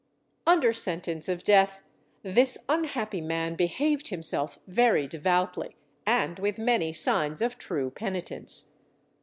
Under sentence of death this unhappy man behaved himself very devoutly, and with many signs of true penitence.